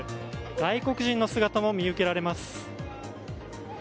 外国人の姿も見受けられます。